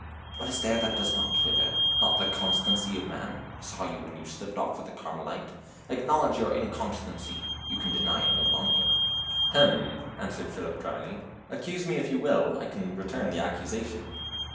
"What is there that does not wither? not the constancy of man? I saw you when you slipped off with the Carmelite. Acknowledge your inconstancy you can deny it no longer." "Hem," answered Philip, dryly, "accuse me if you will, I can return the accusation."